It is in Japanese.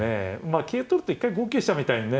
まあ桂取ると一回５九飛車みたいにね